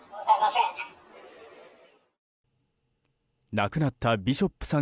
亡くなったビショップさん